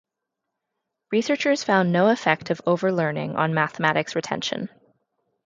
Researchers found no effect of overlearning on mathematics retention.